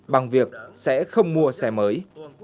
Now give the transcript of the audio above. bằng việc sẽ không mua xe mới